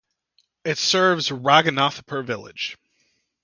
It serves Raghunathpur village.